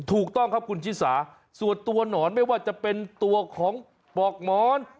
ถูกต้องครับคุณชิสาส่วนตัวหนอนไม่ว่าจะเป็นตัวของปอกหมอน